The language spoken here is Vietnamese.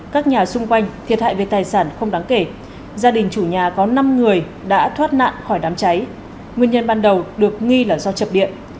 các nhà xung quanh thiệt hại về tài sản không đáng kể gia đình chủ nhà có năm người đã thoát nạn khỏi đám cháy nguyên nhân ban đầu được nghi là do chập điện